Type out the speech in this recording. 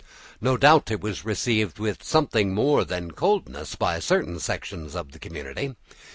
No doubt it was received with something more than coldness by certain sections of the community.